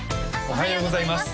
おはようございます